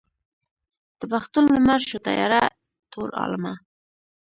د پښتون لمر شو تیاره تور عالمه.